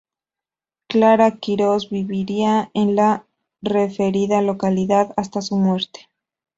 Clara Quirós viviría en la referida localidad hasta su muerte.